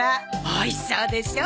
おいしそうでしょ？